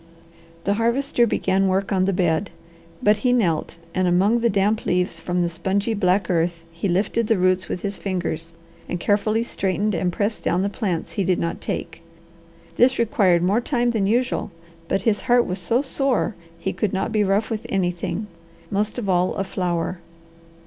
The Harvester began work on the bed, but he knelt and among the damp leaves from the spongy black earth he lifted the roots with his fingers and carefully straightened and pressed down the plants he did not take. This required more time than usual, but his heart was so sore he could not be rough with anything, most of all a flower.